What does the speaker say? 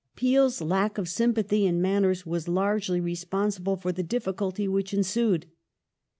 '' Peel '? lack of sympathy and manners was largely responsible for the difficulty which ensued.